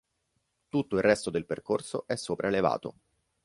Tutto il resto del percorso è sopraelevato.